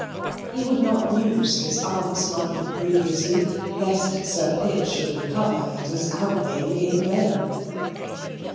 He would not use his aunt's money previously lest Sir Pitt should recover and his outlay be in vain.